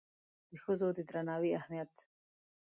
د ښځو د درناوي اهمیت